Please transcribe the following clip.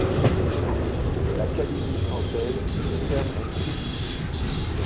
L'Académie française lui décerne un prix.